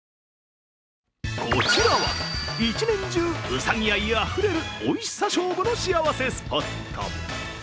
こちらは１年中うさぎ愛あふれるおいしさ勝負の幸せスポット。